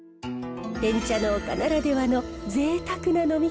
てん茶農家ならではのぜいたくな飲み方です。